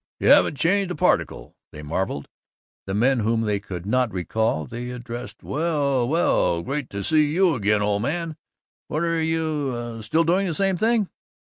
"You haven't changed a particle!" they marveled. The men whom they could not recall they addressed, "Well, well, great to see you again, old man. What are you Still doing the same thing?"